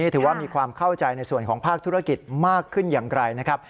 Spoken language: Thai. ถือว่ามีความเข้าใจในส่วนของภาคธุรกิจมากขึ้นอย่างไกลนะครับ